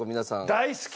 大好き！